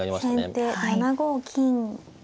先手７五金。